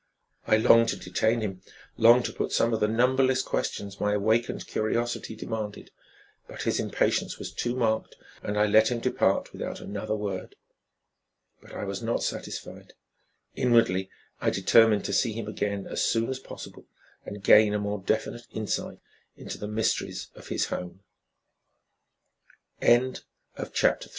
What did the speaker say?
I longed to detain him, longed to put some of the numberless questions my awakened curiosity demanded, but his impatience was too marked and I let him depart without another word. But I was not satisfied. Inwardly I determined to see him again as soon as possible and gain a more definite insight into the mysteries of his home. CHAPTER IV. LIGHTS SOUNDS I a